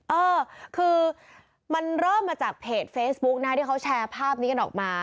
เออคือมันเริ่มมาจากเพจเฟซบุ๊กนะที่เขาแชร์ภาพนี้กันออกมา